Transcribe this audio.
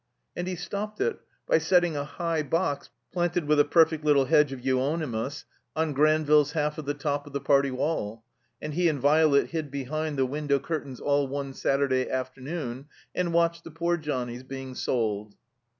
And he stopped it by setting a high box, planted with a per fect little hedge of euonymus, on Granville's half of the top of the party wall. And he and Violet hid behind the window curtains all one Saturday after noon, and watched "the poor johnnies being sold."